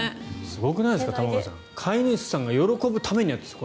すごくないですか玉川さん飼い主さんが喜ぶためにやっている。